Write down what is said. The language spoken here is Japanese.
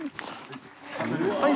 はい！